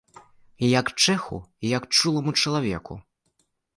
І як чэху, і як чуламу чалавеку.